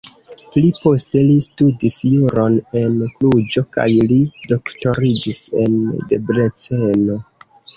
Pli poste li studis juron en Kluĵo kaj li doktoriĝis en Debreceno.